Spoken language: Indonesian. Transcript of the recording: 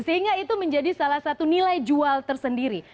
sehingga itu menjadi salah satu nilai jual tersendiri